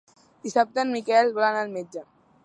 Dissabte en Miquel vol anar al metge.